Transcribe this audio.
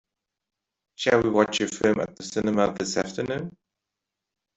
Shall we watch a film at the cinema this afternoon?